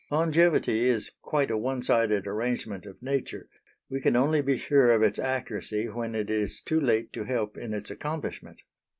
Longevity is quite a one sided arrangement of nature; we can only be sure of its accuracy when it is too late to help in its accomplishment.